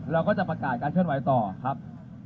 เราก็จะประกาศการเคลื่อนไหวต่อครับ